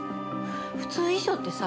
普通遺書ってさ